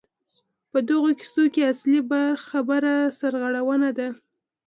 په دغو کیسو کې اصلي خبره سرغړونه ده.